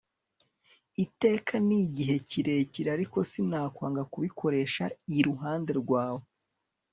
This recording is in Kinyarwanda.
iteka ni igihe kirekire; ariko sinakwanga kubikoresha iruhande rwawe